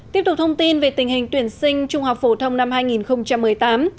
tiếp tục thông tin về tình hình tuyển sinh trung học phổ thông năm hai nghìn một mươi tám